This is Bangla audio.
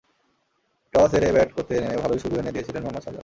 টসে হেরে ব্যাট করতে নেমে ভালোই শুরু এনে দিয়েছিলেন মোহাম্মদ শাহজাদ।